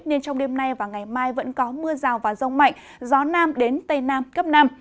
nên trong đêm nay và ngày mai vẫn có mưa rào và rông mạnh gió nam đến tây nam cấp năm